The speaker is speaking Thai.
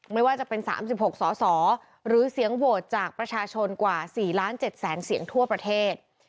ไม่ว่าจะเป็น๓๖สสหรือเสียงโหวตจากประชาชนกว่า๔ล้าน๗แสนเสียงทั่วประเทศ